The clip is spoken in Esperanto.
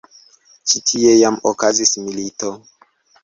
Ĉi tie jam okazis milito.